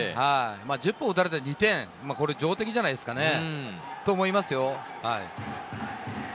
１０本打たれて２点は上出来じゃないですかね、と思いますよ。